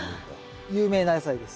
有名な野菜です。